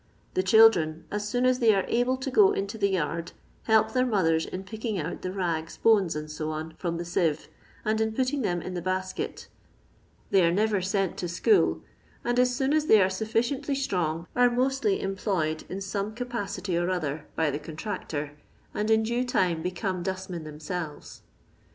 The children, .as soon as they are able to go into the yard, help their mothers in picking out the rags, bones, &c, from the sieve, and in putting them in the basket They are never sent to school, and as soon as they are sufficiently strong are mostly employed in some capacity or other by the contractor, and in due time become dustmen themselves.